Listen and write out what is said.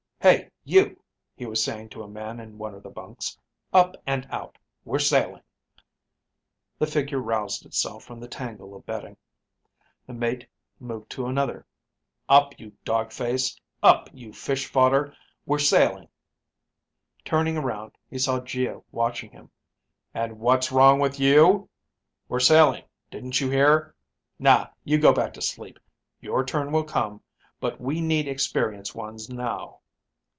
"Hey, you," he was saying to a man in one of the bunks, "up and out. We're sailing." The figure roused itself from the tangle of bedding. The mate moved to another. "Up, you dog face. Up, you fish fodder. We're sailing." Turning around, he saw Geo watching him. "And what's wrong with you?" he demanded. "We're sailing, didn't you hear? Naw, you go back to sleep. Your turn will come, but we need experienced ones now."